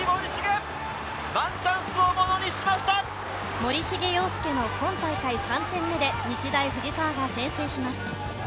森重陽介の今大会３点目で日大藤沢が先制します。